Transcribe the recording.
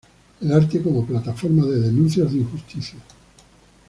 El arte como plataforma de denuncia de injusticias.